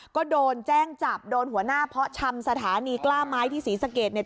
ก็โดนแจ้งจับโดนหัวหน้าเพาะชำสถานีกล้าไม้ที่ศรีสะเกดเนี่ย